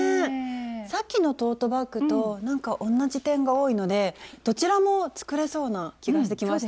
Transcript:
さっきのトートバッグとなんか同じ点が多いのでどちらも作れそうな気がしてきました。